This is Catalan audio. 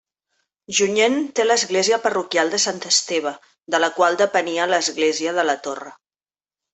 Junyent té l'església parroquial de Sant Esteve, de la qual depenia l'església de la Torre.